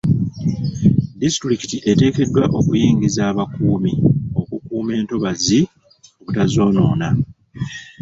Disitulikiti eteekeddwa okuyingiza abakuumi okukuuma entobazi obutazonoona.